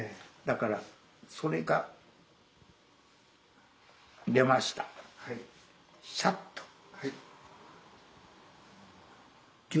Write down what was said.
だからそれが出ましたサッと。